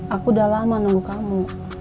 aku udah lama nunggu kamu